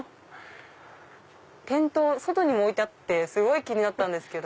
店頭外にも置いてあってすごい気になったんですけど。